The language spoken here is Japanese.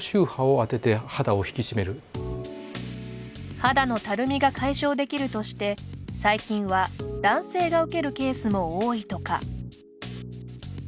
肌のたるみが解消できるとして最近は、男性が受けるケースも多いとか。